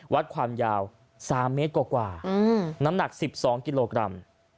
วัดความยาว๓เมตรกว่าน้ำหนัก๑๒กิโลกรัม